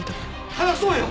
話そうよ！